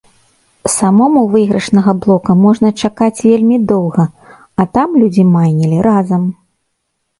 Самому выйгрышнага блока можна чакаць вельмі доўга, а там людзі майнілі разам.